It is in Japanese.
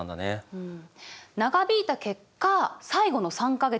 うん。